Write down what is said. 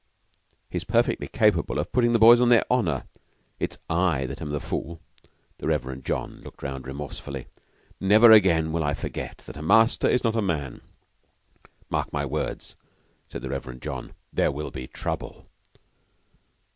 "He's perfectly capable of putting the boys on their honor. It's I that am a fool." The Reverend John looked round remorsefully. "Never again will I forget that a master is not a man. Mark my words," said the Reverend John. "There will be trouble."